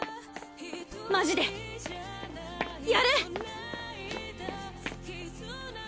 マジでやる！